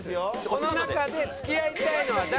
この中で付き合いたいのは誰？